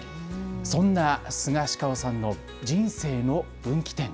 そんなスガシカオさんの人生の分岐点。